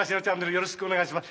よろしくお願いします。